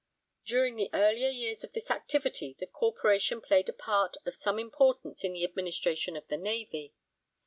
' During the earlier years of its activity the Corporation played a part of some importance in the administration of the Navy.